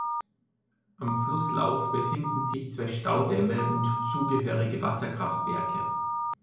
Am Flusslauf befinden sich zwei Staudämme und zugehörige Wasserkraftwerke.